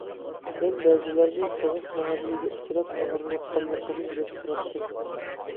مەن بەزىلەرنىڭ سوغۇق مۇئامىلىگە ئۇچراپ ئاغرىنىۋاتقانلىقىنى بىلىپ تۇراتتىم.